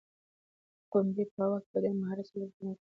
قمري په هوا کې په ډېر مهارت سره الوتنه کوي.